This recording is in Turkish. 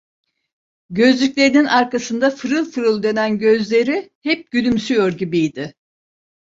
Gözlüklerinin arkasında fırıl fırıl dönen gözleri hep gülümsüyor gibiydi.